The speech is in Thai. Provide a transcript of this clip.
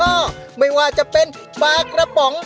ไม่ว่าจะเป็นปลากระป๋อง